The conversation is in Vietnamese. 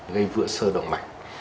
gây vựa sơ động mạch